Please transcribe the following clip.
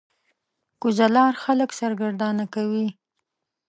کوږه لار خلک سرګردانه کوي